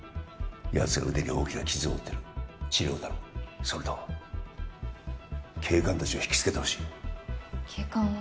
やつは腕に大きな傷を負ってる治療を頼むそれと警官達をひきつけてほしい警官を？